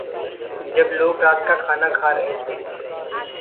जब लोग रात का खाना खा रहे थे